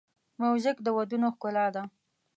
موزیک د ودونو ښکلا ده.